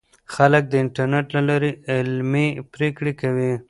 خلک د انټرنیټ له لارې علمي پریکړې کوي.